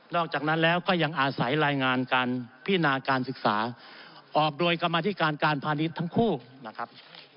อกจากนั้นแล้วก็ยังอาศัยรายงานการพินาการศึกษาออกโดยกรรมธิการการพาณิชย์ทั้งคู่นะครับ